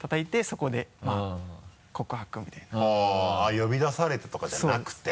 呼び出されてとかじゃなくて。